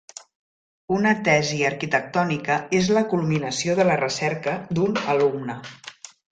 Una tesi arquitectònica és la culminació de la recerca d'un alumne.